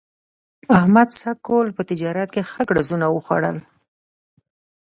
احمد سږ کال په تجارت ښه ګړزونه وخوړل.